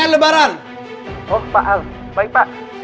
ya allah kejadian lagi lift macet